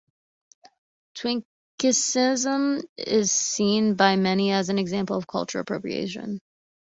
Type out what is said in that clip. Twinkieism is seen by many as an example of cultural appropriation.